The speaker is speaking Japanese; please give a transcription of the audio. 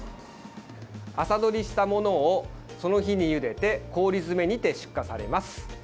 朝どりしたものをその日にゆでて氷詰めにて出荷されます。